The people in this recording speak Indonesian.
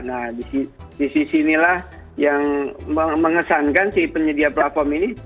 nah di sisi inilah yang mengesankan si penyedia platform ini